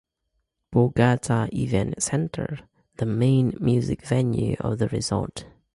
Borgata Event Center: The main music venue for the resort.